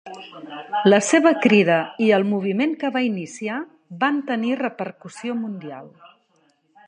La seva crida i el moviment que va iniciar van tenir repercussió mundial.